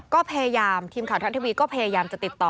ก็พยายามทีมข่าวทัศน์ทีวีก็พยายามจะติดต่อ